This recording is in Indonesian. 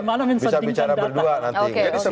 mana bisa bicara berdua nanti